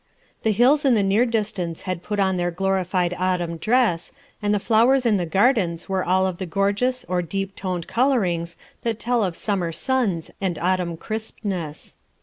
Hie hills in the near distance had put on their glorified autumn dress, and the flowers in the gardens were all of the gorgeous or deep* toned colorings that tell of summer suns and autumn ciispness.